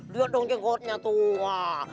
lihat dong jenggotnya tuh